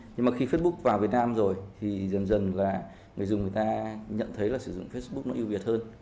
nhưng mà khi facebook vào việt nam rồi thì dần dần là người dùng người ta nhận thấy là sử dụng facebook nó ưu việt hơn